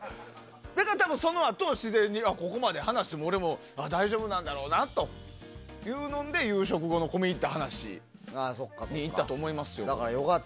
だから多分そのあと自然にここまで話しても俺も大丈夫なんだろうなというので夕食後の込み入った話にいったと思いますよ。